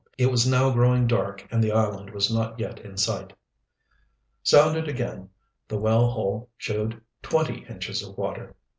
It was now growing dark and the island was not yet in sight. Sounded again, the well hole showed twenty inches of water.